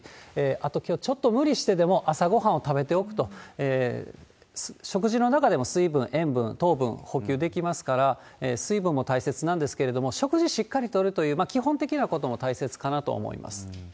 あと、きょう、ちょっと無理してでも朝ごはんを食べておくと、食事の中でも水分、塩分、糖分、補給できますから、水分も大切なんですけれども、食事、しっかりとるという基本的なことも大切かなと思います。